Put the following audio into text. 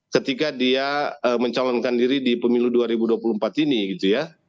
ketika dia mencalonkan diri di pemilu dua ribu dua puluh empat ini gitu ya